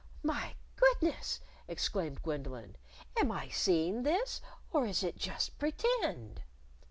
"My goodness!" exclaimed Gwendolyn. "Am I seeing this, or is it just Pretend?"